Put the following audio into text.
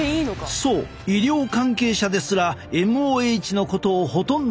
そう医療関係者ですらＭＯＨのことをほとんど知らなかったのだ！